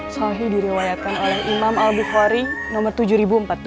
sahih direwayatkan oleh imam al bukhari nomor tujuh ribu empat puluh dua